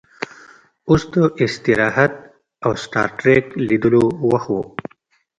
اوس د استراحت او سټار ټریک لیدلو وخت و